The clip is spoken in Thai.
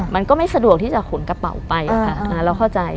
มันก็ไม่สะดวกที่จะขนกระเป๋าไปเราเข้าใจ